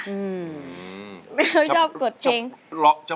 แม่เขาชอบกดจริง